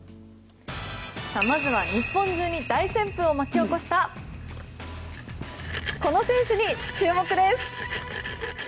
まずは日本中に大旋風を巻き起こしたこの選手に注目です。